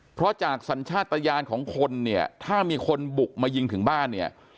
เพราะจากสัญชาติตะยานของคนเนี่ยถ้ามีคนบุกมายิงถึงบ้านเนี่ย